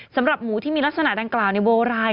สำหรับหมูที่มีลักษณะดังกล่าวในโบราณ